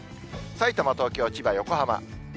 さいたま、東京、千葉、横浜。